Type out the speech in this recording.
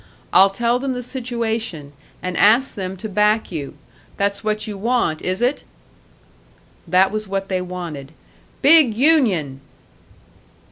I'll tell them the situation, and ask them to back you. That's what you want, is it?" That was what they wanted. "Big union!"